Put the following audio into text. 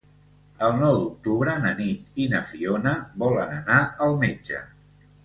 El nou d'octubre na Nit i na Fiona volen anar al metge.